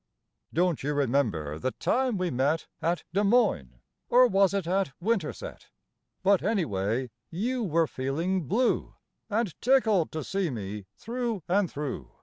Don't you remember the time we met At Des Moines, or was it at Winterset? But anyway, you Were feeling blue And tickled to see me through and through.